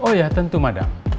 oh ya tentu madam